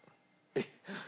えっ。